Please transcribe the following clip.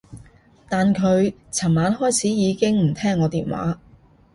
但佢噚晚開始已經唔聽我電話